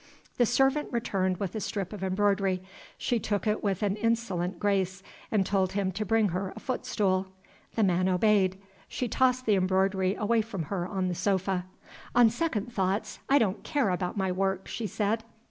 The servant returned with a strip of embroidery. She took it with an insolent grace, and told him to bring her a footstool. The man obeyed. She tossed the embroidery away from her on the sofa. "On second thoughts, I don't care about my work," she said.